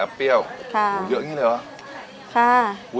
อ้าวเยอะไหมอะ